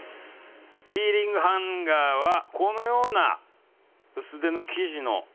キーリングハンガーはこのような薄手の生地のね